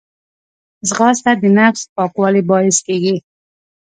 ځغاسته د نفس پاکوالي باعث کېږي